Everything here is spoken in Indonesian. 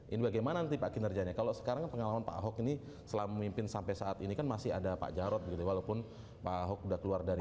ini bagaimana nanti pak kinerjanya kalau sekarang pengalaman pak ahok ini selama memimpin sampai saat ini kan masih ada pak jarod begitu walaupun pak ahok sudah keluar dari